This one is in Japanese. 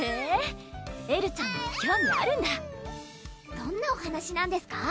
どんなお話なんですか？